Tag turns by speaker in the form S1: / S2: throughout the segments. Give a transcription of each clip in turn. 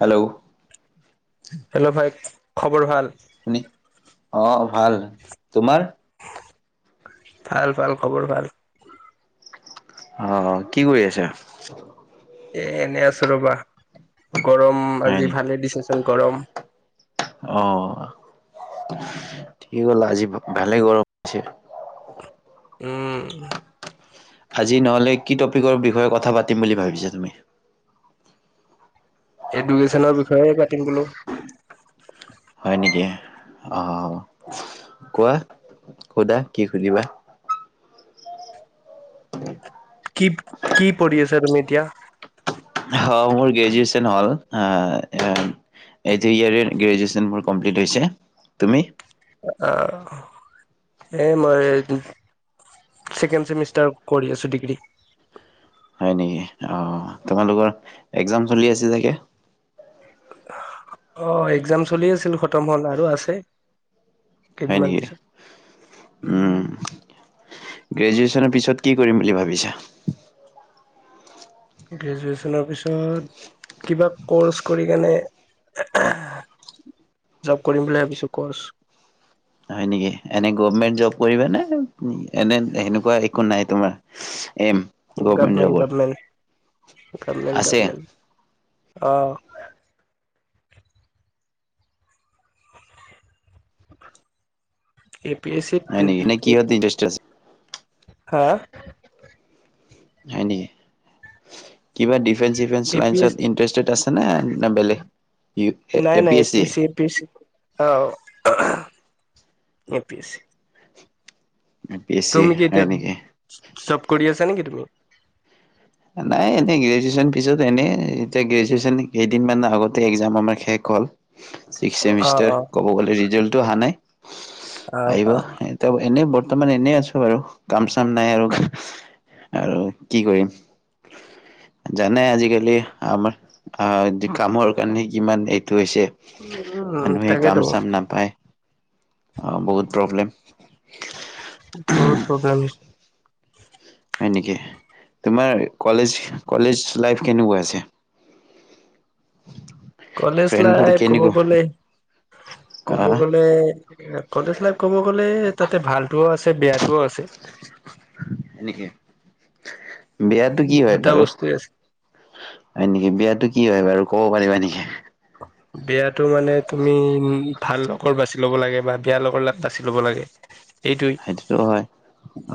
S1: Hello
S2: hello ভাই, খবৰ ভাল?
S1: অ' ভাল, তোমাৰ?
S2: ভাল, ভাল, খবৰ ভাল।
S1: অ', কি কৰি আছা?
S2: এ, এনে আছো ৰ'বা। গৰম,
S1: হয়
S2: আজি
S1: নেকি
S2: ভালে দিছেচোন গৰম।
S1: অ', কি হ'ল আজি ভালে গৰম দিছে
S2: উম
S1: আজি নহ'লে কি টপিকৰ বিষয়ে কথা পাতিম বুলি ভাবিছা তুম?
S2: এডুকেশ্যনৰ বিষয়ে পাতিম বোলো।
S1: হয় নেকি? অ', কোৱা, সুধা, কি সুধিবা।
S2: কি, কি প়ঢ়ি আছা তুমি এতিয়া?
S1: হ, মোৰ গ্ৰেজুৱেচন হ'ল। অ', অ' এইটো ইয়াৰত গ্ৰেজুৱেচন মোৰ কমপ্লিট হৈছে। তুমি?
S2: অ', আ এ, মই [unintelligible] ছেকেণ্ড চেমিষ্টাৰ কৰি আছোঁ ডিগ্ৰী।
S1: হয় নেকি, অ', তোমালোকৰ একজাম চলি আছে চাগে!
S2: অ', একজাম চলি আছিল, খতম হ'ল। আৰু আছে
S1: হয়
S2: কেইদিনমান
S1: নেকি?
S2: পিছত।
S1: উম, গ্ৰেজুৱেচনৰ পিছত কি কৰিম বুলি ভাবিছা?
S2: গ্ৰেজুৱেশ্যনৰ পিছত কিবা ক'ৰ্চ কৰি কেনে জব কৰিম বুলি ভাবিছো। কৰ্চ
S1: হয় নেকি? এনে গভমেন্ট জব কৰিবা নে, এনে সেনেকুৱা একো নাই তোমাৰ? এম গভমেণ্ট জবৰ
S2: গভমেণ্টত লম,
S1: আছে
S2: গভমেণ্টত লম। অ' এ পি এচ চিত
S1: হয় নেকি? নে কিহত
S2: [unintelligible]
S1: ইণ্টাৰেষ্ট আছে?
S2: হাঁ
S1: হয় নেকি? কিবা ডিফেন্স-চিফেন্স
S2: এ পি এছ
S1: লাইনত ইণ্টাৰেষ্টেড আছেনে? না বেলেগ
S2: নাই
S1: ইউ-এ পি
S2: নাই A
S1: S C?
S2: A P S C, অ', A P S C
S1: A P S C
S2: তুমি কি এতিয়া
S1: হয় নেকি?
S2: জ-জব কৰি আছা নে কি তুমি?
S1: নাই এনেই গ্ৰেজুৱেচ্যন পিছত এনেই, এতিয়া গ্ৰেজুৱচ্যন কেইদিনমান আগতে একজাম আমাৰ শেষ হ'ল। চিক্স
S2: অ অ
S1: চেমিষ্টাৰ, ক'ব গ'লে ৰিজাল্টটো অহা নাই,
S2: অ
S1: আহিব।
S2: অ
S1: ত এনেই বৰ্তমান এনেই আছো বাৰু। কাম-চাম নাই আৰু আৰু কি কৰিম? জানাই আজিকালি আমাৰ আ কামৰ কাৰণে কিমান এইটো হৈছে।
S2: উম
S1: মানুহে
S2: তাকেতো
S1: কাম-চাম নাপায়, আ বহুত প্ৰব্লেম।
S2: বহুত প্ৰব্লেম হৈ
S1: হয় নেকি? তোমাৰ কলেজ-কলেজ লাইফ কেনেকুৱা আছে?
S2: [inaudible] কলেজ
S1: ফ্ৰেণ্ডবোৰ
S2: লাইফ ক'ব
S1: কেনেকুৱা
S2: গ'লে, ক'ব
S1: আহ
S2: গ'লে কলেজ লাইফ ক'ব গ'লে, তাতে ভালটোও আছে বেয়াটোও আছে।
S1: হয় নেকি? বেয়াটো কি হয়
S2: দুটা
S1: বাৰু?
S2: বস্তুৱে আছে
S1: হয় নেকি? বেয়াটো কি হয় বাৰু ক'ব পাৰিবা নেকি?
S2: বেয়াটো মানে তুমি উম, ভাল লগৰ বাচি ল'ব লাগে বা বেয়া লগৰ লা-বাচি ল'ব লাগে। এইটোয়ে,
S1: সেইটোতো হয়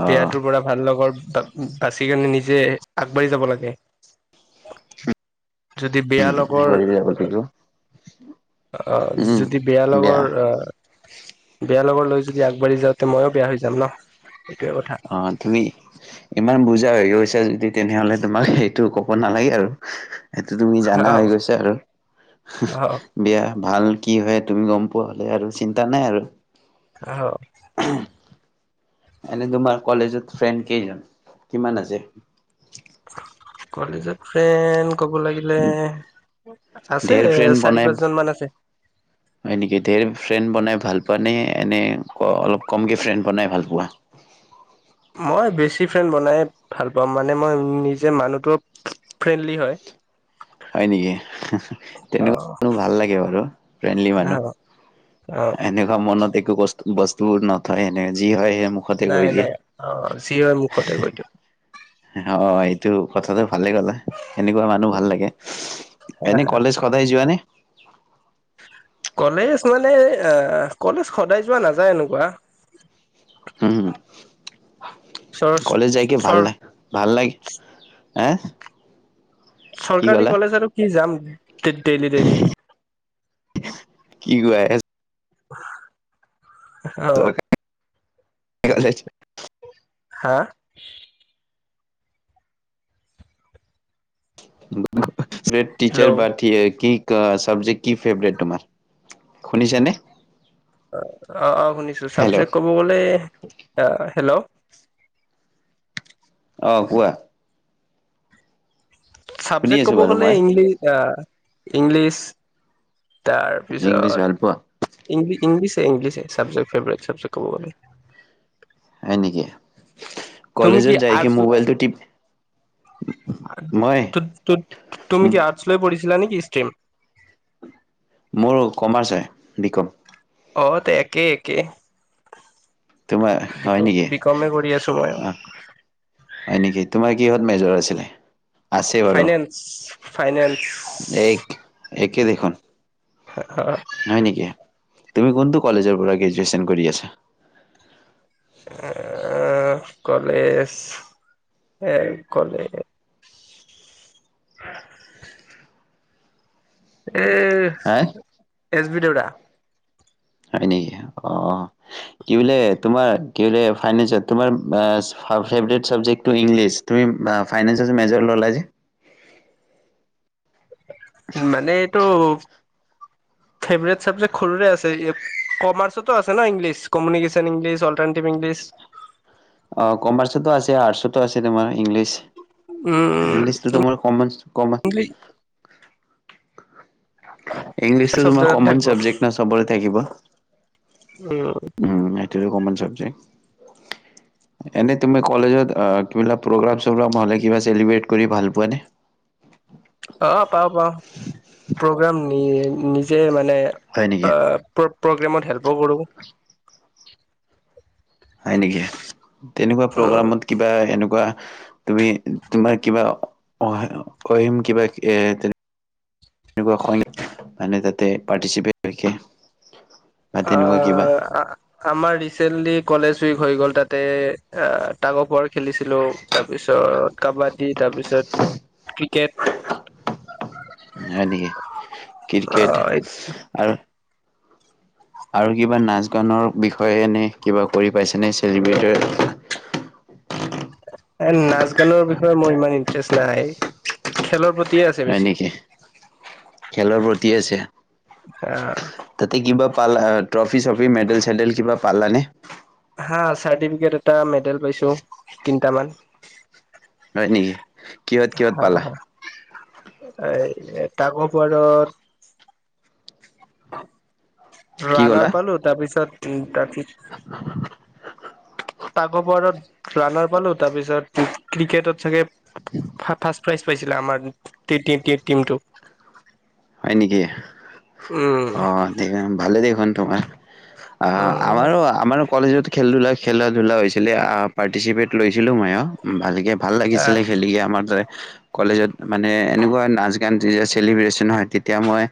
S1: অ'
S2: বেয়াটোৰ পৰা ভাল লগৰ বা-বাচি কেনে নিজে আগবাঢ়ি যাব লাগে। যদি বেয়া লগৰ
S1: কৰিব যাব লাগিব
S2: আ
S1: উম
S2: যদি বেয়া লগৰ আ বেয়া লগৰ লৈ যদি আগবাঢ়ি যাওঁ তে ময়ো বেয়া হৈ যাম ন! সেইটোয়ে কথা।
S1: অ', তুমি ইমান বুজা হৈ গৈছা যদি তেনেহ'লে তোমাক সেইটো ক'ব নালাগে আৰু। সেইটো তুমি জানা হৈ
S2: অ',
S1: গৈছা আৰু,
S2: অ',
S1: বেয়া-ভাল? কি হয় তুমি গম পোৱা হ'লে আৰু চিন্তা নাই আৰু।
S2: অ'।
S1: এনে তোমাৰ কলেজত ফ্ৰেণ্ড কেইজন, কিমান আছে?
S2: কলেজত ফ্ৰেণ্ড ক'ব লাগি লে আছে,
S1: ধেৰ ফ্ৰেণ্ড বনাই
S2: চাৰি-পাঁচজন মান আছে।
S1: হয় নেকি? ধেৰ ফ্ৰেণ্ড বনাই ভাল পোৱা নে এনে অলপ কমকে ফ্ৰেণ্ড বনাই ভাল পোৱা?
S2: মই বেছি ফ্ৰেণ্ড বনাই ভাল পাওঁ। মানে মই নিজে মানুহটো ফ্ৰেণ্ডলি হয়।
S1: হয় নেকি? তেনেকুৱা
S2: অ',
S1: মানু [unintelligible] ভাল লাগে বাৰু, ফ্ৰেণ্ডলি মানুহ।
S2: অ', অ'।
S1: এনেকুৱা মনত একো বস্-বস্তু নথয়, এনেকৈ যি হয় সেই মুখতে
S2: নাই,
S1: কৈ দিয়ে
S2: নাই। অ', যি হয় মুখতে কৈ দিওঁ।
S1: অ', এইটো কথাটো ভালে ক'লা, এনেকুৱা মানুহ ভাল লাগে। এনে কলেজ সদায় যোৱানে?
S2: কলেজ মানে অ', কলেজ সদায় যোৱা নাযায় এনেকুৱা।
S1: উম।
S2: চৰ
S1: কলেজ যাই কি ভাল
S2: চৰ
S1: লাগে, ভাল লাগে, এ?
S2: চৰকাৰী কলেজ আৰু কি যাম ডেইলি ডেইলি।
S1: কি কোৱা এচ
S2: [inaudible] অ',
S1: [unintelligible]
S2: হা?
S1: [unintelligible]
S2: হেল্ল'
S1: টিচাৰ বাতিয়ে কি অ চাবজেক্ট কি ফেভৰেট তোমাৰ, শুনিছানে।
S2: অ, অ, শুনিছোঁ
S1: হেল্ল'
S2: ছাবজেক্ট ক'ব গ'লে, হেল্ল'।
S1: অ' কোৱা। শুনি
S2: চাবজেক্ট
S1: আছো
S2: ক'ব
S1: বাৰু
S2: গ'লে
S1: মই
S2: ইংলিঅ ইংলিছ তাৰ
S1: ইংলিছ
S2: তাৰপিছত,
S1: ভাল পোৱা
S2: ইংলিছে ইংলিছে চাবজেক্ট ফেভৰেট চাবজেক্ট ক'ব গ'লে।
S1: হয় নেকি, কলেজত যাই কি মোবাইলটো টিপ মই
S2: তু-তু- তুমি কি আৰ্টচ লৈ পঢ়িছিলা নেকি ষ্ট্ৰীম।
S1: মোৰ কমাৰ্চ হয়, বিকম।
S2: অ' একে একে,
S1: তোমাৰ
S2: বিক
S1: হয় নেকি
S2: বিকমে কৰি আছো মই।
S1: অ হয় নেকি তোমাৰ কিহঁত মেজৰ আছিলে। আছে বাৰু
S2: ফাইনেন্স ফাইনেন্স।
S1: এক একেই দেখোন।
S2: [unintelligible]
S1: হয় নেকি তুমি কোনটো কলেজৰ পৰা গ্ৰেজুৱেচন কৰি আছা।
S2: এ কলেজ এ কলেজ এ
S1: হা
S2: এছ বি দেউৰা।
S1: হয় নেকি অ'। কি বোলে তোমাৰ কিবোলে ফাইনেচট চাবজেক্টো ইংলিছ। তুমি ফাইনেন্সে মেজৰ ল' লা যে।
S2: মানে এইটো। ফেভাৰেট চাবজেক্ট সৰুৰে আছে কমাৰ্চোতো আছে ন' English communication English alternative English.
S1: অ' কমাৰ্চতো আছে আৰ্টচতো আছে তোমাৰ ইংলিছ।
S2: উম
S1: ইংলিছটো তোমাৰ কমন কমন
S2: ইংলিছ
S1: ইংলিছতো
S2: চব
S1: তোমাৰ
S2: জেগাতে
S1: কমন
S2: থাকিব
S1: চাবজেক্ট না চবৰে থাকিব।
S2: উম।
S1: [unintelligible] Common subject. এনেই তুমি কলেজত কি বিলা প্ৰ'গ্ৰাম চগ্ৰাম হ'লে কিবা চেলিব্ৰেট কৰি ভাল পোৱা নে।
S2: অ' পাওঁ পাওঁ প্ৰগ্ৰাম নি নিজে মানে
S1: হয় নেকি
S2: প্ৰ প্ৰগ্ৰেমত হেল্পো কৰোঁ।
S1: হয় নেকি তেনেকুৱা প্ৰগ্ৰামত কিবা এনেকুৱা তুমি তোমাৰ কিবা অ অহিম কিবা এ তেনে এনেকুৱা হয় নেকি মানে তাতে পাৰ্টিচিপেট [unintelligible] বা তেনেকুৱা কিবা
S2: অ' আমাৰ ৰিচেন্টলি কলেজ উইক হৈ গ'ল তাতে অ' টাক অফাৰ খেলিছিলো তাৰপিছত কাবাডী তাৰপিছত ক্ৰিকেট।
S1: হয় নেকি ক্ৰিকেট আৰু আৰু কিবা নাচ গানৰ বিষয়ে এনে কিবা কৰি পাইছে ন চেলিব্ৰেট।
S2: এ নাচ গানৰ বিষয়ে মোৰ ইমান ইন্টাৰেষ্ট নাই খেলৰ প্ৰতিয়ে আছে।
S1: হয়
S2: বেছি
S1: নেকি খেলৰ প্ৰতি আছে।
S2: অ'।
S1: তাতে কিবা পালা ট্ৰফি চ্ৰফি মেডেল চেডেল কিবা পালানে।
S2: হা চাৰ্টিফিকেট এটা মেডেল পাইছো তিনিটামান।
S1: হয় নেকি কিহত কিহত পালা।
S2: এই এতাক ওপৰত।
S1: কি ক'লা?
S2: ৰানাৰ পালো। তাৰপিছত গাঠি।
S1: [unintelligible]
S2: তকঅভাৰত ৰাণাৰ পালো। তাৰপিছত ক্ৰিকেটত চাগে ফাছফাছ। প্ৰাইজ পাইছিলে আমাৰ টিটিটিমটো।
S1: হয় নেকি।
S2: উম
S1: অহ তে ভালে দেখোন তোমাৰ। অহ,
S2: উম
S1: আমাৰো। আমাৰো কলেজত খেল ধুলা খেলা- ধূলা হৈছিলে পাৰ্টিচিপেট লৈছিলোঁ মইও। উম, ভালকে ভাল লাগিছিলে। খেলিকে আমাৰ তাৰে কলেজত মানে এনেকুৱা নাৰ্জিক। ইয়ানজিএচ চেলিব্ৰে্চন হয়। তেতিয়া মই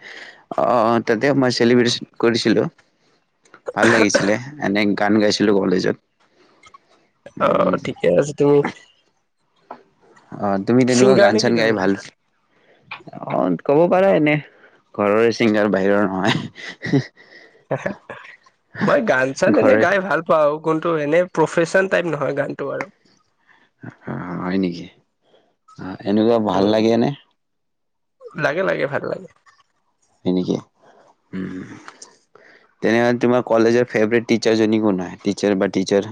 S1: অহ, তাতে মই চেলিব্ৰেচন কৰিছিলো। ভাল লাগিছিলে। এনে গান গাইছিলো কলেজত।
S2: অহ,
S1: উম
S2: ঠিকে আছে তুমি।
S1: অহ, তুমি তেনেকুৱা গান -চান গাই ভাল।
S2: উম।
S1: অহ, কব পাৰা এনে। ঘৰৰে ছিংগাৰ বাহিৰৰ নহয়।
S2: মই গান- চান এনে
S1: ঘৰৰে
S2: গাই ভাল। পাও কনতুু এনেই প্ৰফেচন টাইপ নহয় গানটো আৰু।
S1: অহ, হয় নেকি অহ এনেকুৱা ভাল
S2: উম
S1: লাগে নে।
S2: লাগে, লাগে ভাল লাগে।
S1: সেনেকে উম। তেনেকে তোমাৰ কলেজৰ ফেভৰেট টিচাৰজনি কোন হয়। টিচাৰ বা টিচাৰ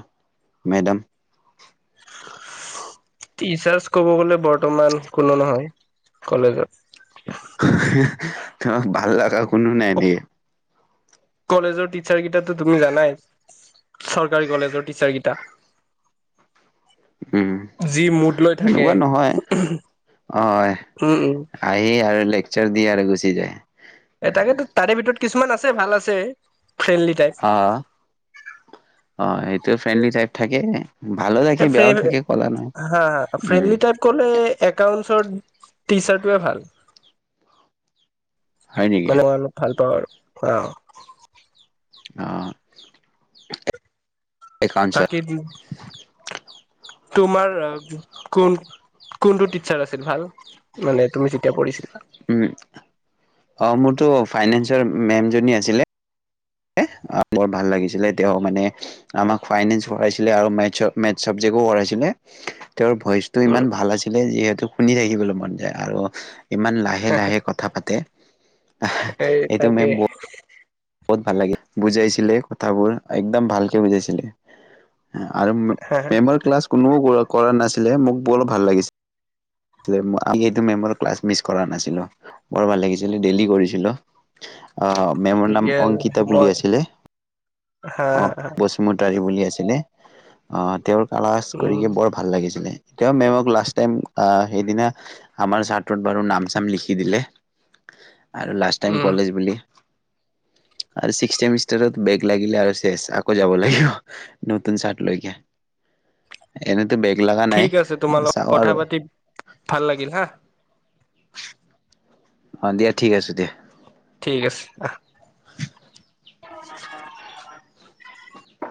S1: মেডাম।
S2: টিচাৰ্চ ক'ব গলে বৰ্তমান কোনো নহয়। কলেজত।
S1: তোমাক ভাল লগা কোনো নাই নেকি।
S2: কলেজৰ টিচাৰ কেইটাটো তুমি জানাই। চৰকাৰী কলেজৰ টিচাৰ কেইটা।
S1: উম,
S2: যি মোদ লৈ থাকে
S1: তেনেকুৱা নহয়।
S2: উম,
S1: হয়,
S2: উম।
S1: আহি আৰু লেকচাৰ দিয়ে আৰু গুচি যায়।
S2: এ তাকেতো তাৰে ভিতৰত কিছুমান আছে ভাল আছে। ফ্ৰেণ্ডলি টাইপ
S1: অহ, অ সেটোয়ে ফ্ৰেণ্ডলি টাইপ থাকে। ভালো থাকে বেয়াও থাকে কলা নহয়।
S2: হা হা
S1: উম
S2: ফ্ৰেণ্ডলি টাইপ ক'লে একাউন্টৰ টিচাৰটোৱে ভাল।
S1: হয় নেকি?
S2: মানে মই অলপ ভাল পাওঁ আৰু অহ।
S1: অহ, এ একাউণচট
S2: কে দিন তোমাৰ অ কোন। কোনটো টিচাৰ আছিল ভাল মানে তুমি যেতিয়া পঢ়িছিলা।
S1: উম, অহ মোৰতো ফাইনেন্সৰ মেম জনী আছিলে। আহ, বৰ ভাল লাগিছিলে তেওঁ মানে। আমাক ফাইনেন্স পঢ়াইছিলে। আৰু মেতছ মেতছ চাবজেক পঢ়ছিলে তেওঁৰ ভইচ। টো
S2: উম
S1: ইমান ভাল আছিলে। যিহেতু শুনি থাকিবলৈ মন যায়। আৰু ইমান লাহে লাহে, লাহে কথা পাতে।
S2: এই
S1: এইটো
S2: তাকে
S1: মেম বহুত বহুত ভাল লাগিল। বুজাইছিলে কথাবোৰ একদম ভালকে বুজাইছিলে। আৰু
S2: হা
S1: মেমৰ ক্লাছ কোনেও কৰা নাছিলে। মোক বৰ ভাল লাগিছিলে। এইটো মেম' ক্লাছ মিছ কৰা নাছিলো। বৰ ভাল লাগিছিল। ডেইলি কৰিছিলো। অহ, মেমৰ নাম
S2: ঠিকে
S1: অংকিতা বুলি
S2: মই
S1: আছিলে।
S2: হা
S1: অহ,
S2: হা
S1: বচুমতাৰি বুলি আছিলে। অহ, তেওঁৰ কালাজ কৰি
S2: উম
S1: কি বৰ ভাল লাগিছিলে। এতিয়াও মেম'ক লাষ্ট টাইম আহ সেইদিনা আমাৰ চাৰটত বাৰু নাম-চাম লিখি দিলে আৰু লাষ্ট টাইম
S2: উম
S1: কলেজ বুলি। আৰু চিক্স চেমিষ্টাৰত বেগ লাগিলে আৰু শেষ আকৌ যাব লাগিব। নতুন চাৰ্ট লৈ কে।
S2: [inaudible]
S1: এনেতো বেগ লাগা
S2: ঠিক আছে তোমাৰ লগত কথা পাতি ভাল লাগিল হা।
S1: [inaudible] অ', দিয়া ঠিক আছে দিয়া।
S2: ঠিক আছে আহ। [unintelligible]